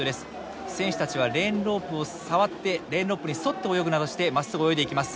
選手たちはレーンロープを触ってレーンロープに沿って泳ぐなどしてまっすぐ泳いでいきます。